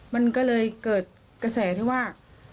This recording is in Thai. มันก็เลยเกิดกระแสที่ว่า